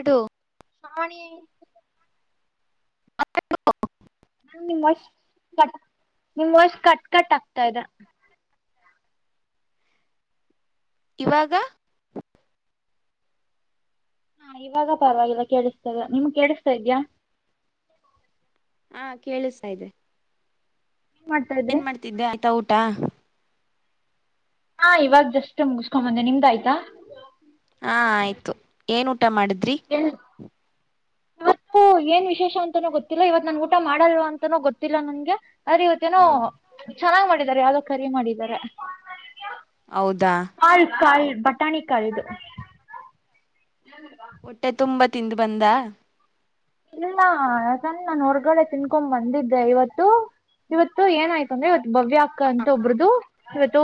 ಇಡು ಶ್ರಾವಣಿ ಹ ಮ್ಯಾಮ್ ನಿಮ್ ವಾಯ್ಸ್ ನಿಮ್ ಅಷ್ಟ ಕಟ್ ಕಟ್ ಆಗ್ತಾ ಇದೇ ಇವಾಗ ಹಾ ಇವಾಗ ಪರವಾಗಿಲ್ಲ ಕೇಳಿಸ್ತದ ನಿಮ್ಗೆ ಕೇಳ್ತಾ ಇದೀಯ ಹಾ ಕೇಳಿಸ್ತಾ ಇದೆ ಏನ್ ಮಾಡ್ತಾ ಇದ್ರಿ. ಏನ್ ಮಾಡ್ತಿದ್ದೆ ಆಯ್ತಾ ಊಟ ಹಾ ಇವಾಗ ಜಸ್ಟ್ ಮುಗಸ್ಕೊಂಬಂದೆ ನಿಮ್ದ ಆಯ್ತಾ ಹಾ ಆಯ್ತು ಏನ್ ಊಟ ಮಾಡಿದ್ರಿ ಎಲ್ ಇವತ್ತು ಏನ್ ವಿಶೇಷ ಅಂತನೂ ಗೊತ್ತಿಲ್ಲ ಇವತ್ ನನ್ ಊಟ ಮಾಡಲ್ವ ಅಂತನೋ ಗೊತ್ತಿಲ್ಲ ನನ್ಗೆ ಅರಿ ಇವತ್ತೇನೋ ಹ್ಮ್ ಚೆನ್ನಾಗ್ ಮಾಡಿದಿದ್ದಾರೆ ಯಾವ್ದ ಖಾರಿ ಮಾಡಿದಿದ್ದಾರೆ ಹೌದಾ ಕಾಲ್ ಕಾಲ್ ಬಟಾಣಿ ಕಲ್ ಇದು ಹೊಟ್ಟೆ ತುಂಬಾ ತಿಂದು ಬಂದ ಇಲ್ಲ ಅಮ್ಮ ನನ್ ಹೊರಗಡೆ ತಿನ್ಕೊಂಡ್ ಬಂದಿದ್ದೆ ಇವತ್ತು ಇವತ್ತು ಏನಾಯ್ತು ಅಂದ್ರೆ ಇವತ್ತು ಭವ್ಯ ಅಕ್ಕ ಅಂತ ಒಬ್್ರ್ದ ಇವತ್ತು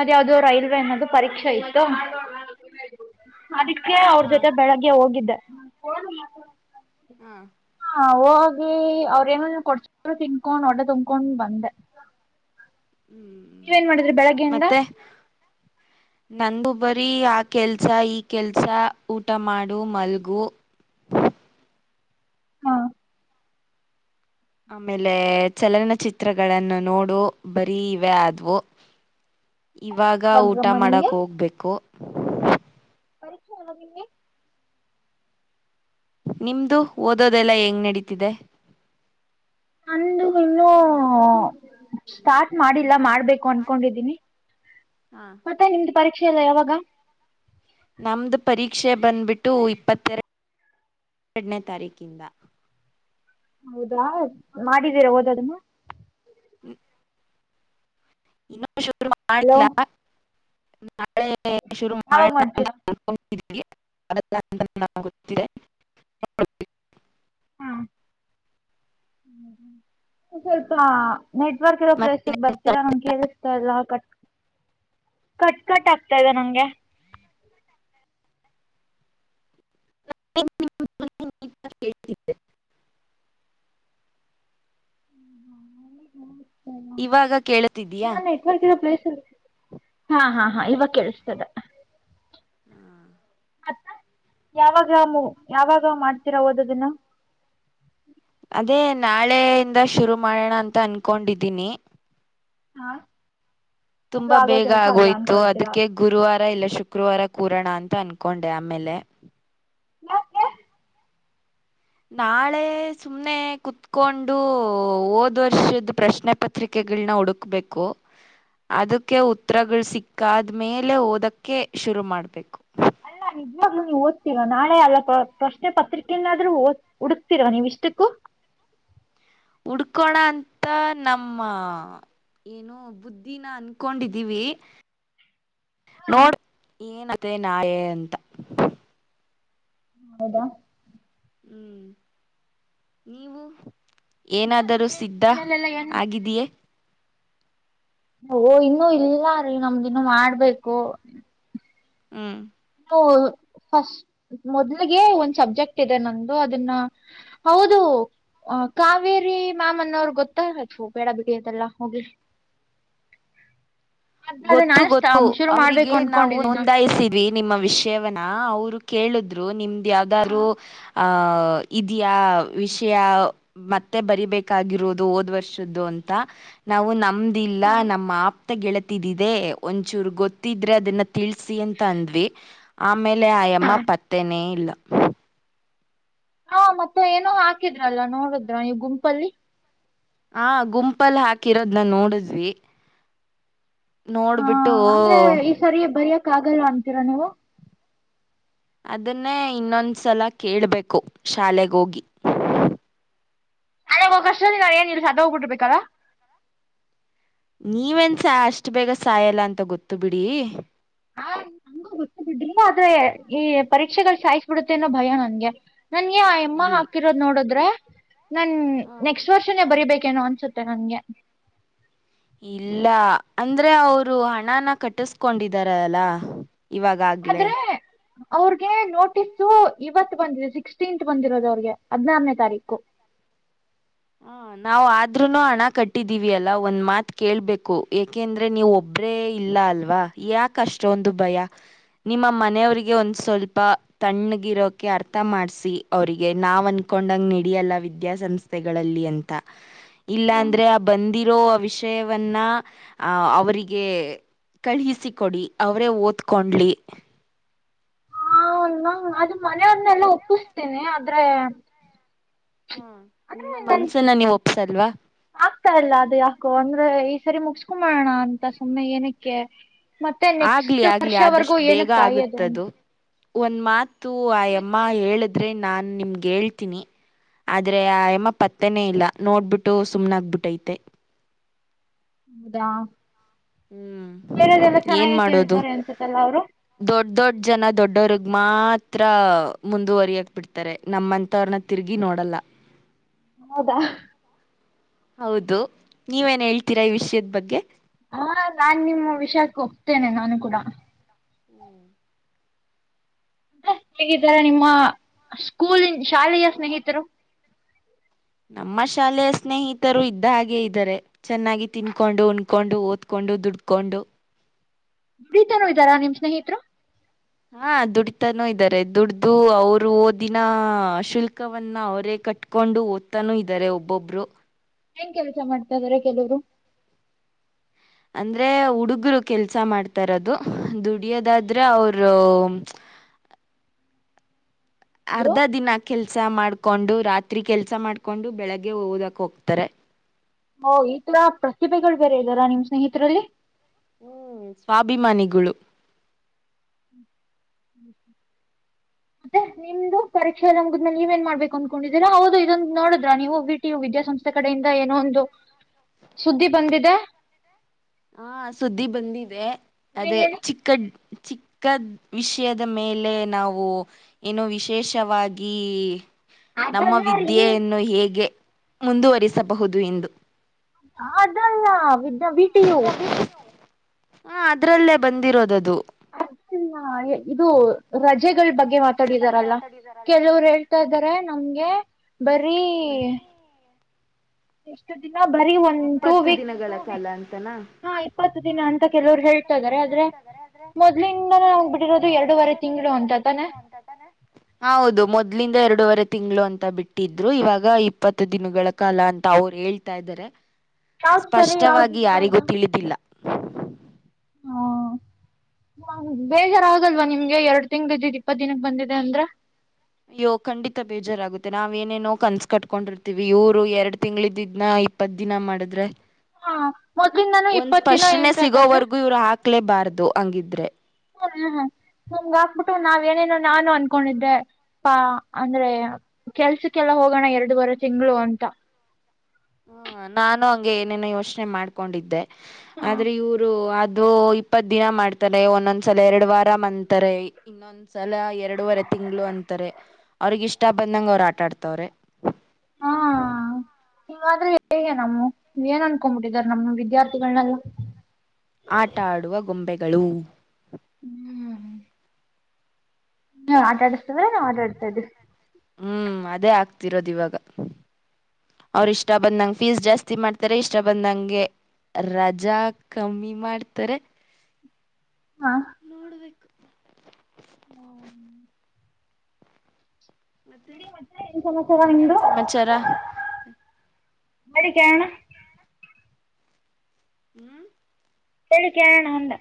ಅದು ಯಾವ್ದೋ ರೈಲ್ವೆ ಅನ್ನದು ಪರೀಕ್ಷೆ ಇತ್ತು ಅದಕ್ಕೆ ಅವ್ರ ಹಾ ಜೊತೆ ಬೆಳಗ್ಗೆ ಹೋಗಿದ್ದೆ ಹಾ ಹಾ ಹೋಗಿ ಅವ್ರ ಏನ ಕೊಡ್ಸ್ರು ತಿನ್ಕೊಂಡ್ ಹೊಟ್ಟೆ ತುಂಬ್ಕೊಂಡ್ ಬಂದೆ ಹ್ಮ್ ನೀವೇನ್ ಮಾಡಿದ್ರಿ ಬೆಳಗ್ಗೆಯಿಂದ [inaudible] ನಂದಬ್ಬರಿ ಆ ಕೆಲ್ಸ ಈ ಕೆಲ್ಸ ಊಟ ಮಾಡು ಮಲ್ಗು [inaudible] ಹಾ ಆಮೇಲೆ ಚಲನಚಿತ್ರಗಳನ್ನು ನೋಡು ಬರೀ ಇವೆ ಆದ್ವು [inaudible] ಇವಾಗ ಊಟ ಒಗ್ಗಮ್ಮ ನಿಮ್ಗೆ ಮಾಡಕ್ ಹೋಗ್ಬೇಕು ಪರೀಕ್ಷೆ ಯಾವಾಗ ನಿಂಗೆ ನಿಮ್ದು ಓದೋದೆಲ್ಲ ಹೆಏಂಗ್ ನಡೀತಿದೆ ನಂದು ಇನ್ನೂ ಸ್ಟಾರ್ಟ್ ಮಾಡಿಲ್ಲ ಮಾಡ ಮಾಡಬೇಕು ಅನ್ಕೊಂಡಿದ್ದೀನಿ ಹಾ ಮತ್ತೆ ನಿಮ್ದ ಪರೀಕ್ಷೆ ಎಲ್ಲ ಯಾವಾಗ ನಮ್ದು ಪರೀಕ್ಷೆ ಬಂದ್ಬಿಟ್ಟು ಇಪ್ಪತ್ತೆರಡು ಎರಡನೇ ತಾರೀಕಿಂದ ಹೌದಾ ಮಾಡಿದ್ದೀರಾ ಓದದನ್ನು ಹ್ಮ ಇನ್ನೂ ಶೂರು ಹಲೋ ಮಾಡಿಲ್ಲ ನಾಳೆ ಶುರು ಶುರು ಯಾವಾಗ ಮಾಡೋಣ ಮಾಡ್ತೀರಾ ಅನ್ಕೊಂಡು [unintelligible] ಹಾ ಸ್ವಲ್ಪ ನೆಟ್ವರ್ಕ್ ಇರೋ ಪ್ಲೇಸ್ ಮತ್ತೆ ಬರ್ತೀರ ನಂಗೆ ಕೇಳಿಸ್ತಿಲ್ಲ ಕಟ್ ಕಟ್ ಆಗ್ತಾ ಇದೆ ನಂಗೆ [unintelligible] ಇವಾಗ ಕೇಳ ನೆಟ್ವರ್ಕ್ ಇರೋ ಪ್ಲೇಸ್ ಹಾ ಹಾ ಹಾ ಇವಾಗ ಕೇಳಸ್ತದೆ ಹಾ ಮತ್ತ ಯಾವಾಗ ಯಾವಾಗ ಮಾಡ್ತೀರಾ ಓದದನ್ನ ಅದೇ ನಾಳೆಯಿಂದ ಶುರು ಮಾಡೋಣ ಅಂತ ಅನ್ಕೊಂಡಿದ್ದೀನಿ ಹಾ ಅದು ತುಂಬಾ ಆಗೋ ಬೇಗ ಕೆಲ್ಸ ಅಲ್ಲ ಆಗೋಯ್ತು ಅನ್ಕೊಳ್ತೀರಾ ಅದಕ್ಕೆ ಗುರುವಾರ ಇಲ್ಲ ಶುಕ್ರವಾರ ಶುಕ್ರವಾರ ಕೂರಣ ಅಂತ ಅನ್ಕೊಂಡೆ ಆಮೇಲೆ ಯಾಕೆ ನಾಳೆ ಸುಮ್ನೆ ಕುತ್ಕೊಂಡು ಓದ್ ವರ್ಷದ ಪ್ರಶ್ನೆ ಪತ್ರಿಕೆ ಗಳನ್ನ ಹುಡುಕ್ಬೇಕು ಅದಕ್ಕೆ ಉತ್ತರಗಳು ಸಿಕ್ಕಾದ್ಮೇಲೆ ಓದಕ್ಕೆ ಶುರು ಮಾಡ್ಬೇಕು ಅಲ್ಲ ನಿಜಾಗೂ ನೀವು ಓದ್ತಿರಾ ನಾಳೆ ಅಲ್ಲ ಪ್ರಶ್ನೆ ಪತ್ರಿಕೆಯಿಂದಾದ್ರೂ ಓದ ಹುಡುಕ್ತಿೀರ ನೀವು ಇಷ್ಟಕ್ಕೂ [unintelligible] ಉಡ್ಕೋಣ ಅಂತ ನಮ್ಮ ಏನೋ ಬುದ್ಧಿನ ಅನ್ಕೊಂಡಿದ್ದೀವಿ ನೋಡ್ ಬೇಕು ಏನತೆೆ ಆಗುತ್ತೆ ನಾಳೆ ಅಂತ ಹೌದಾ ಹ್ಮ್ ನೀವು ಏನಾದರೂ ಸಿದ್ಧ ಮನೇಲೆಲ್ಲ ಏನ್ ಆಗಿದೆಯೇ ಓ ಇನ್ನುೂ ಇಲ್ಲ ರೀ ನಮ್ದಿನ್ನು ಮಾಡ್ಬೇಕು ಹ್ಮ್ ಹ ಫಸ್ಟ್ ಮೊದ್ಲಿಗೆ ಒಂದ್ ಸಬ್ಜೆಕ್ಟ್ ಇದೆ ನಂದುಂದು ಅದನ್ನ ಹೌದು ಹ ಕಾವೇರಿ ಮ್ಯಾಮ ಅನ್ನೋರ ಗೊತ್ತ ಹತ ಬೇಡ ಬಿಡ ಅದೆಲ್ಲಾ ಹೋಗಿ [inaudible] ಗೊತ್ತು ಗೊತ್ತು ಅವರಿಗೆ ನಾವು ಅನ್ಕೊಂಡಿದೀನಿ ನೋಡಿ. ನೋಂದಾಯಿಸಿದ್ವಿ ನಿಮ್ಮ ವಿಷ ಶೇವನಾ ಅವ್ರು ಕೇಳಿರು ನಿಮ್ದ್ ಯಾವ್ದ ಆರು ಆ ಇದ್ಯಾ ವಿಷಯ ಮತ್ತೆ ಬರಿಬೇಕಾಗಿರುದು ಓದ್ ವರ್ಷದ್ದು ಅ ಅಂತ ನಾವು ನಮ ಲ್ಲ ನಮ್ಮ ಆಪ್ತ ಗೆಳತಿದಿದೆ ಒಂಚೂರ ಗೊತ್ತಿದ್ರೆ ಅದನ್ನ ತಿಳ್ಸಿ ಅಂತ ಅಂದ್ವಿ ಆಮೇಲೆ ಆಯಮ್ಮ ಪತ್ತೆನೇ ಇಲ್ಲ. ಹಾ ಮತ್ತ ಏನೋ ಹಾಕಿದ್ರಲ್ಲ ನೋಡದ್ರ ನೀವ್ ಗುಂಪಲ್ಲಿ ಹಾ ಗುಂಪಲ್ಲ ಹಾಕಿರೋದ ನ ನೋಡಿದ್ವಿ. ನೋಡ್ಬಿಟ್ಟು ಕಾಗಲ್ಲ ಅಂತೀರಾ ನೀವು ಅದನ್ನೇ ಇನ್ನೊಂದ್ಸಲ ಕೇಳ್ಬೇಕು ಶಾಲೆಗೋಗಿ ಅಲೆ ಹೋಗ ಅಷ್ಟಲ್ಲಿ ನಾ ಏನ್ ಇಲ್ಲಿ ಸತ್ತೋಗಿಟ್ಟಿರಬೇಕಲ್ಲ. ನೀವೆನ್ಸ ಅಷ್ಟ ಬೇಗ ಸಾಯಲ್ಲ ಅಂತ ಗೊತ್ತು ಬಿಡಿ. ಹಾ ತುಂಬಾ ಆದ್ರೆ ಪರೀಕ್ಷೆಗಳ ಸಾಯಿಸ್ ಬಿಡತ್ತೆ ಅನ್ನೋ ಭಯ ನನ್ಗೆ ನನ್ಗೆ ಆ ಎಮ್ಮ ಇಲ್ ಹಾಕಿರೋದ್ ನೋಡದ್ರೆ ನನ್ ನೆಕ್ಸ್ಟ್ ವರ್ಷನೇ ಬರಿಬೇಕೇನೋ ಅನ್ಸುತ್ತೆ ನನ್ಗೆ ಇಲ್ಲ ಅಂದ್ರ ಅವರು ಹಣನ ಕಟ್ಟಿಸ್ಕೊಂಡಿದಾರ ಅಲ. ಇವಾಗ ಆಗಲೆೇ ಅವ್ರಗೆ ನೋಟಿಸ್ ಇವತ್ ಬಂದಿದೆ ಸಿಕ್ಸ್ಟೀನ್ತ್ ಬಂದಿರೋದು ಅವ್ರಿಗೆ ಹದ್ನಾರನೇ ತಾರೀಕು. [inaudible] ನಾವ ಆದ್ರೂನು ಹಣ ಕಟ್ಟಿದೀವಿ ಅಲ್ಲಾ ಒಂದ್ ಮಾತ್ ಕೇಳ್ಬೇಕು ಯಾಕೆಂದ್ರೆ ನೀವ ಒಬ್ರೇ ಇಲ್ ಇಲ್ಲ ಅಲ್ವಾ ಯಾಕ ಅಷ್ಟೊಂದು ಭಯ. ನಿಮ್ಮ ಮನೆಯವ್ರಿಗೆ ಒಂದ ಸ್ವಲ್ಪ ತಣ್ಣಗಿರೋಕೆ ಅರ್ಥ ಮಾಡ್ಸಿ ಅವ್ರಿಗೆ ನಾವನ್ಕ ಕೊಂಡ ನಡಯಲ್ಲ ವಿದ್ಯ ಸಂಸ್ಥೆಗಳಲ್ಲಿ ಅಂತ ಇಲ್ಲ ಅಂದ್ರೆ ಬಂದಿ ಇರೋ ವಿಷಯವನ್ನ ಆ ಅವರಿಗೆ ಕಳಹಿಸಿ ಕೊಡಿ ಅವ್ರೇ ಓದ್ಕೊಂಡ್ಲಿ. ಹ ನ ಅದ ಮನೆಯವನ್ನೆಲ್ಲ ಒಪ್ಪಿಸ್ತೇನಿ ಆದ್ರೆ ಹ ಅಂದ್ರೆ ನಿಮ್ಮ ನನ್ ಮನ್ಸನ್ನ ನೀವ್ ಒಪ್ಸಲ್ವಾ ಆಗ್ತಾ ಇಲ್ಲ ಅದು ಯಾಕು ಅಂದ್ರೆ ಸರಿ ಮುಗಸ್ಕೊ ಮಾಡೋಣ ಅಂತ ಸುಮ್ಮನೆ ಏನಕ್ಕೆ ಮತ್ತೆ ಆಗ್ಲಿ ನೆಕ್ಸ್ಟ್ ಆಗ್ಲಿ ವರ್ಷವರೆಗೂ ಆದಷ್ಟು ಏನ ಬೇಗ ಕಾಯದು ಆಗುತ್ತದು ಒಂದ್ ಮಾತು ಆ ಎಮ್ಮ ಹೇಳಿದ್ರೆ ನಾನ್ ನಿಮ್ಗ ಹೇಳ್ತೀನಿ. ಆದ್ರೆ ಆಯಮ್ಮ ಪತ್ತನೇ ಇಲ್ಲ ನೋಡ್ಬಿಟ್ಟು ಸುಮ್ನ ಆಗ್ಬಿಟ್ಟೈತೆ. ಹೌದಾ ಹ್ಮ ಬೇರೆದೆಲ್ಲ ಏನ್ ಚೆನ್ನಾಗೆ ಮಾಡೋದು ಕೇಳ್ತಾರೆ ಅನ್ಸತ್ತಲ್ಲ ಅವರು ದೊಡ್ ದೊಡ್ಡ ಜನ ದೊಡ್ಡವ್ರ ಮಾತ್ರ ಮುಂದುವರಿಯಕ ಬಿಡ್ತಾರೆ ನಮ್ಮಂತವ್ರನ್ನ ತಿರುಗಿ ನೋಡಲ್ಲ. ಹೌದಾ ಹೌದು. ನೀವೇನ್ ಹೇಳ್ತೀರಾ ಈ ವಿಷಯದ ಬಗ್ಗೆ ಹಾ ನಾನ್ ನಿಮ್ಮ ವಿಷಕ್ ಓಪತ್ತೆನೆ ನಾನು ಕೂಡ ಹೇಗಿದಾರ ನಿಮ್ಮ ಸ್ಕೂಲ್ ಶಾಲೆಯ ಸ್ನೇಹಿತರು. ನಮ್ಮ ಶಾಲೆಯ ಸ್ನೇಹಿತರು ಇದ್ದ ಹಾಗೆ ಇದ್ದಾರೆ ಚೆನ್ನಾಗಿ ತಿನ್ಕೊಂಡು ಕೊಂಡು ಓದಕೊಂಡು ದುಡ್ಕೊಂಡು ದುಡಿತಾನಾ ಇದ್ದಾರಾ ನಿಮ್ ಸ್ನೇಹಿತರು. ಹಾ ದುಡತಾನೂ ಇದ್ದಾರೆ ದುಡ್ದು ಅವ್ರು ಓದಿನ ಶುಲ್ಕವನ್ನ ಅವರೇ ಕಟ್ಕೊಂಡು ಓದ್ತಾನೂ ಇದ್ದಾರೆ ಒಬ್ಬೊಬ್ರು. ಏನ್ ಕೆಲಸ ಮಾಡ್ತಾ ಇದಾರೆ ಕೆಲವರು ಅಂದ್ರೆ ಹುಡುಗ್ರ ಕೆಲ್ಸ ಮಾಡ್ತಾ ಇರೋದು ದುಡಿಯೋದಾದ್ರೆ ಅವರ [inaudible] ಅವರು ಅರ್ಧ ದಿನ. ಕೆಲ್ಸ ಮಾಡ್ಕೊಂಡು ರಾತ್ರಿ ಕೆಲ್ಸ ಮಾಡ್ಕೊಂಡು ಬೆಳಗ್ಗೆ ಓದಕ್ ಹೋಗ್ತಾರೆ. ಓ ಈ ತರ ಪ್ರತಿಭೆಗಳು ಬೇರೆ ಇದ್ದಾರಾ ನಿಮ್ ಸ್ನೇಹಿತರಲ್ಲಿ. ಹ್ಮ್ ಸ್ವಾಭಿಮಾನಿಗಳು. ಮತ್ತೆ. ನಿಮ್ದು ಪರೀೆಯೆ ನ ಮುಗುದ್ ನೀವೇಏನ್ ಮಾಡ್ಬೇಕು ಅನ್ಕೊಂಡಿದ್ದೀರ ಹೌದು ಇದೊಂದು ನೋಡಿದ್ರ ನೀವು ವಿಟಿ ವಿದ್ಯಾ ಸಂಸ್ಥೆ ಕಡೆ. ಏನೋ ಒಂದು ಸುದ್ದಿ ಬಂದಿದೆ. ಹಾ ಸುದ್ದಿ ಬಂದಿದೆ ಅದೇ ಏನ್ ಹೇಳಿ ಚಿಕ್ಕಡ್. ಚಿಕ್ಕದ ವಿಷಯದ ಮೇಲೆ ನಾವು ಏನೋ ವಿಶೇಷವಾಗಿ. ನಮ್ಮ ಅದಲ್ಲ ರೀ ವಿದ್ಯೆಯನ್ನು ಹೇಗೆ ಮುಂದುವರಿಸಬಹುದು ಎಂದು. ಅದಲ್ಲ ಡಬ್ಲ್ಯೂ ಟಿ ಯು. ಹ ಅದ್ರಲ್ಲೇ ಬಂದಿರೋದದು. ಅರ್ಜು ಇದು ರಜೆ. ಬಗ್ಗೆ ಮಾತಾಡಿದಾರಲ್ಲ ಕೆಲವರು ಹೇಳ್ತಾ ಇದಾರೆ ನಮ್ಗೆ. ಬರೀ. ಎಷ್ಟು ದಿನ. ಬರೀ ಒಂದ್ ಟೂ ಇಪ್ಪತ್ತು ವೀಕ್ ದಿನಗಳ ಕಾಲ ಅಂತನ. ಹಾ ಇಪ್ಪತ್ತು ದಿನ ಅಂತ ಕೆಲವ್ರು ಹೇಳ್ತಾ ಇದಾರೆ ಆದ್ರೆ ಮೊದ್ಲಿಂದನ ನ್ ಬಿಟ್ಟಿರೋದು ಎರಡೂವರೆ ತಿಂಗಳು. ಅಂತ ತಾನೆ ಹೌದು ಮೊದಲಿಂದ ಎರಡು. ಎರಡೂವರೆ ತಿಂಗಳು ಅಂತ ಬಿಟ್ಟಿದ್ರು ಇವಾಗ ಇಪ್ಪತ್ತು ದಿನಗಳ ಕಾಲ ಅಂತ ಅವ್ರು ಹೇಳ್ತಾ ಇದ್ದಾರೆ. ಯಾವ್ದ್ ಸರಿ ಯಾವ್ದ್ ಸ್ಪಷ್ಟವಾಗಿ ಇಲ್ವಾ ಯಾರಿಗೂ ಇದು ತಿಳಿದಿಲ್ಲ. ಹಾ. ಹ ಬೇಜಾರ ಆಗಲ್ವಾ ನಿಮ್ಗೆ ಎರಡು ತಿಂಗ್ಳ ಇದ್ದಿದೆ ಇಪ್ಪತ್ ದಿನಕ್ಕೆ ಬಂದಿದೆ ಅಂದ್ರ. ಅಯ್ಯೋ ಖಂಡಿತ ಬೇಜಾರಾಗುತ್ತೆ ನಾವ್ ಏನೇನೋ ಕನ್ಸ. ಕಟ್ಕೊಂಡಿರ್ತೀವಿ ಇವರು ಎರಡ್ ತಿಂಗ್ಳ ಇದಿದನ. ಇಪ್ಪತ್ ದಿನ ಮಾಡಿದ್ರೆ. ಹಾ. ಒಂದ್ ಸ್ಪಷ್ಟನೆ ಸಿಗೋವರ್ಗೂ ಇವ್ರು ಹಾಕ್ಲೇಬಾರ್ದು ಹಂಗಿದ್ರೆ. ಹ ಹ್ಮ್ ನಮ್ಗ ಹಾಕ್ಬಿಟ್ಟು ನಾವ್ ಏನೇನೋ ನಾನು ಅನ್ಕೊಂಡಿದ್ದೆ. ಾ ಅಂದ್ರೆ ಕೆಲ್ಸಕ್ಕೆಲ್ಲ ಹೋಗೋಣ ಎರಡುವರೆ ತಿಂಗಳು ಅಂತ. ಹ್ಮ ನಾನು ಹಂಗೆ ಏನೇನ ಯೋಚನೆ ಮಾಡ್ಕೊಂಡಿದ್ದೆ ಆದ್ರೆ ಇವರು ಅ. ಇದು ಇಪ್ಪತ್ ದಿನ ಮಾಡ್ತಾರೆ ಒಂದೊಂದ್ಸಲ ಎರಡು ವಾರ ಮಂತಾರೆ ಇನ್ನೊಂದ್ಸಲ ಎರಡು ವಾರ. ತಿಂಗಳು ಅಂತಾರೆ ಅವ್ರಗ ಇಷ್ಟ ಬಂದಂಗ ಅವ್ರ ಆಟಾಡ್ತವ್ರೆ. ಹವಾದ್ರೆ ಹೇಗೆ ನಮ್ಮ ಏನ್ ಅನ್ಕೊಬಿಟ್ಟಿದಾರ ನಮ್ ವಿದ್ಯಾರ್ಥಿಗಳನೆಲ್ಲ. ಆಟ ಆಡುವ ಗೊಂಬೆಗಳು. ಹ್ಮ್್ಮ. ನೀ ಆಟಾಡತದ್ರ ನಾ ಆಟಾಡ್ತದೆ. ಹ್ಮ್ ಅದೇ ಆಗ್ತಿರೋದು ಇವಾಗ. ಅವ್ರ ಇಷ್ಟ ಬಂದಂಗಗೆ ಫೀಸ್ ಜಾಸ್ತಿ ಮಾಡ್ತಾರೆ ಇಷ್ಟ ಬಂದಂಗೆ. ರಜಾ ಕಮ್ಮಿ ಮಾಡ್ತಾರೆ. ಹಾ [unintelligible] ಮತ್ತೆ ಬಿಡಿ ಏನ್ ಸಮಾಚಾರ ಇನ್ನೇನ್ ನಿಮ್ದು ಸಮಾಚಾರ. ಅದುಕೆನನಾ. ಹ್ಮ್. ಹೇಳಳಕ್ಕೆಣ ಅಂದ.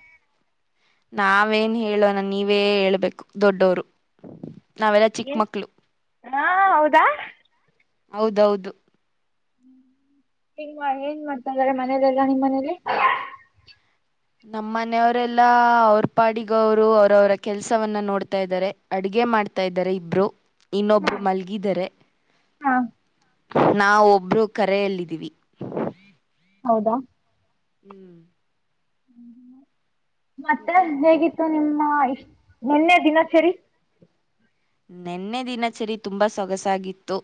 ನಾವೇನ್ ಹೇಳೋಣ ನೀವೇ ಹೇಳ್ಬೇಕು ದೊಡ್ಡವರು. ನಾವೆಲ್ಲ ಚಿಕ್ಕ ಏನ್ ಮಕ್ಳು. ಹಾ ಹೌದಾ. ಹೌದೌದು. ್ಮ ನಿಮ್ಮ ಏನ್ ಮಾಡ್ತಾ ಇದಾರೆ ಮನೇಲೆಲ್ಲ ನಿಮ್ಮ ಮನೇಲಿ. ನಮ್ಮ ಮನೆಯವರೆಲ್ಲಾ ಅವ್ರ ಪಾಡಿಗ ಅವ್ರು ಅವ್ರವರ ಕೆಲ್ಸವನ್ನ ನೋಡ್ತಾ ಇದ್ದಾರೆ ಅಡಗೆ. ಮಾಡ್ತಾ ಇದ್ದಾರೆ ಇಬ್ರು ಇನ್ನೊಬ್ರು ಮಲ್ಗಿದರೆ ಹಾ ನಾವ್ ಒಬ್ರು ಕರೆಯಲ್ಲಿದ್ದೀವಿ ಹೌದಾ ಹ್ಮ್ ಮತ್ತೆ ಹೇಗಿತ್ತು ನಿಮ್ಮ ಇಷ್ ನೆನ್ನೆ ದಿನಚರಿ ನೆನ್ನೆ ದಿನಚರಿ ತುಂಬಾ ಸೊಗಸಾಗಿತ್ತು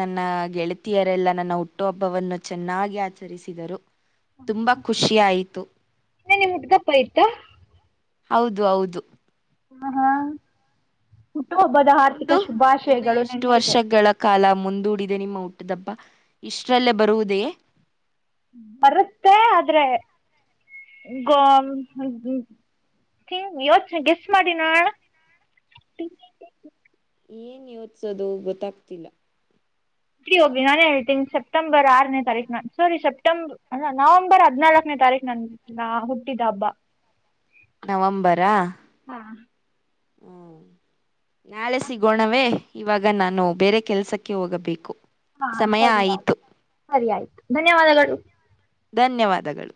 ನನ್ನ ಗೆಳತಿಯರೆಲ್ಲಾ ನನ್ನ ಹುಟ್ಟುಹಬ್ ಬ್ಬವನ್ನು ಚೆನ್ನಾಗಿ ಆಚರಿಸಿದರು ತುಂಬಾ ಖುಷಿ ಆಯಿತು ನಿನ್ನೇ ನಿಮ್ ಹುಟ್ದಬ್ಬ ಇತ್ತಾ ಹೌದು ಹೌದು ಹಾ ಹಾ ಹುಟ್ಟುಹಬ್ಬದ ಹಾರ್ದಿಕ ನಿಮ್ದು ಇನ್ನು ಶುಭಾಶಯಗಳು ಎಷ್ಟು ನಿನ್ನೆಗೆ ವರ್ಷಗಳ ಕಾಲ ಮುಂದೂಡಿದೆ ನಿಮ್ಮ ಹುಟ್ ಟ್ದಬ್ಬ ಇಷ್ಟ್ರಲ್ಲೇ ಬರುವುದೆಯೇ ಬರುತ್ತೆ ಆದ್ರೆ ಗೋ [unintelligible] ಗೆಸ್ ಮಾಡಿನೋಡಣ [inaudible] ಏನ್ ಯೋಚ್ಸೋದು ಗೊತ್ತಾಗ್ತಿಲ್ಲ ಬಿಡಿ ಹೋಗಿ ನಾನೇ ಹೇಳ್ತೀನಿ ಸಪ್ಟೆಂಬರ್ ಆರನೇ ತಾರೀಕು ನಾ ಸಾರಿ ಸೆಪ್ಟೆಂಬರ್ ನವೆಂಬರ್ ಹದಿನಾಲ್ಕನೇ ತಾರೀಕ ನನ್ನ ಹುಟ್ಟಿದ್ದ ಹಬ್ಬ ನವಂಬರಾ ಹಾ ಹ್ಮ ನಾಳೆ ಸಿಗೋಣವೇ ಇವಾಗ ನಾನು ಬೇರೆ ಕೆಲಸಕ್ಕೆ ಹೋಗಬೇಕು ಹಾ ಸಮಯ ಸರಿ ಆಯ್ತು ಆಯಿತು ಸರಿ ಆಯ್ತು ಧನ್ಯವಾದಗಳು ಧನ್ಯವಾದಗಳು